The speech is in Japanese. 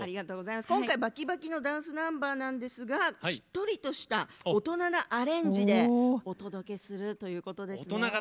今回バキバキのダンスナンバーなんですがしっとりとした大人なアレンジでお届けするということですね。